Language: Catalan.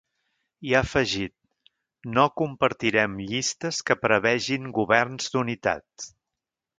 I ha afegit: No compartirem llistes que prevegin governs d’unitat.